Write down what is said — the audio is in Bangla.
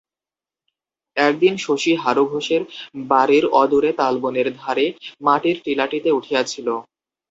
একদিন শশী হারু ঘোষের বাড়ির অদূরে তালবনের ধারে মাটির টিলাটিতে উঠিয়াছিল।